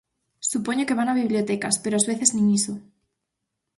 Supoño que van a bibliotecas, pero ás veces nin iso.